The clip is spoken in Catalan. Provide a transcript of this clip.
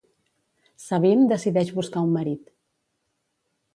Sabine decideix buscar un marit.